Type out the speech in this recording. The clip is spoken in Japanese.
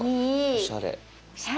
おしゃれ。